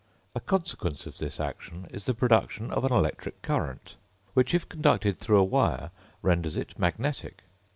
A consequence of this action is the production of an electric current, which, if conducted through a wire, renders it magnetic.